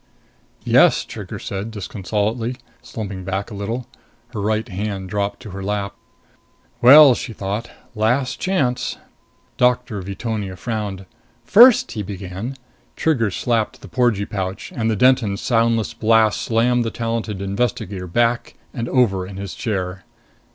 "Yes," Trigger said disconsolately, slumping back a little. Her right hand dropped to her lap. Well, she thought, last chance! Doctor Veetonia frowned. "First " he began. Trigger slapped the porgee pouch. And the Denton's soundless blast slammed the talented investigator back and over in his chair.